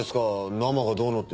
生がどうのって。